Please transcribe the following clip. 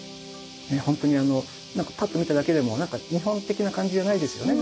ほんとに何かパッと見ただけでも日本的な感じじゃないですよね。